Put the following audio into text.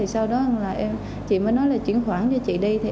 sau đó chị mới nói là chuyển khoản cho chị đi